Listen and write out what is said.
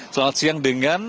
selamat siang dengan